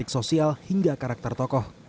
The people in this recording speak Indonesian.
dari kreatifitas sosial hingga karakter tokoh